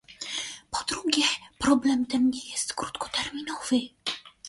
Po drugie, problem ten nie jest krótkoterminowy